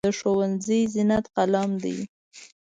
د ښوونځي زینت قلم دی.